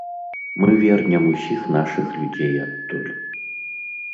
Мы вернем усіх нашых людзей адтуль.